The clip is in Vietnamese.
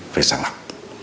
phải sẵn lập